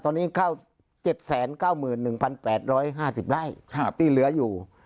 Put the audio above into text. ตอนนี้ข้าว๗๙๑๘๕๐ไร่ที่เหลืออยู่